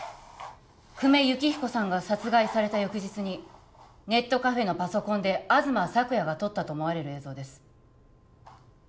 久米幸彦さんが殺害された翌日にネットカフェのパソコンで東朔也が撮ったと思われる映像です